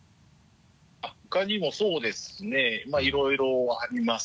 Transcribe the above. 他にもそうですねまぁいろいろあります